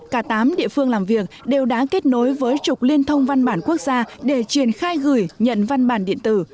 cả tám địa phương làm việc đều đã kết nối với trục liên thông văn bản quốc gia để triển khai gửi nhận văn bản điện tử